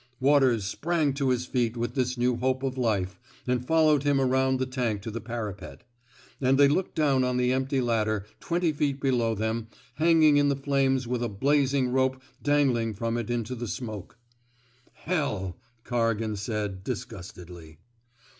Waters sprang to his feet with this new hope of life, and followed him around the tank to the parapet. And they looked down on the empty ladder, twenty feet below them, hanging in the flames with a blazing rope dangling from it into the smoke. '* Hell! '' Corrigan said, disgustedly.